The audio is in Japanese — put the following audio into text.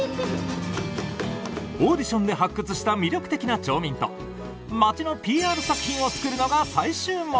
オーディションで発掘した魅力的な町民と町のＰＲ作品を作るのが最終目的です。